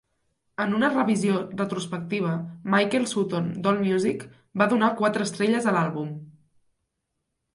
En una revisió retrospectiva, Michael Sutton d"AllMusic va donar quatre estrelles a l"àlbum.